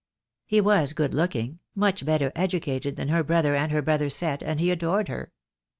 He was good looking, much better educated than her brother and her brother's set, and he adored her.